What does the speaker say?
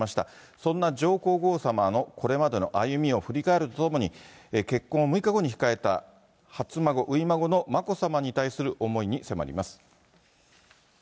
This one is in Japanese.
そんな上皇后さまのこれまでの歩みを振り返るとともに、結婚を６日後に控えた初孫、眞子さまに対する思いに迫ります。